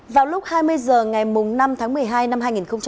vào lúc hai mươi h ngày năm tháng một mươi hai năm hai nghìn một mươi tám